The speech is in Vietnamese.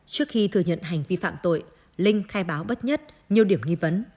trước khi thừa nhận hành vi phạm tội linh khai báo bất nhất nhiều điểm nghi vấn